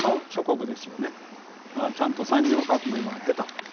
ちゃんと産業革命を経た。